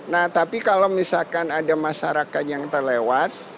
nah tapi kalau misalkan ada masyarakat yang terlewat